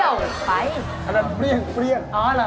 อ๋อเหรอบ้าจุดว่าพี่เปรี้ยว